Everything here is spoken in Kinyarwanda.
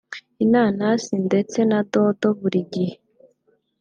inanasi ndetse na dodo buri gihe